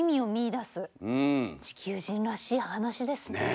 地球人らしい話ですね。